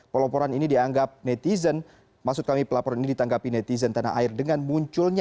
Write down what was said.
peloporan ini dianggap netizen maksud kami pelaporan ini ditanggapi netizen tanah air dengan munculnya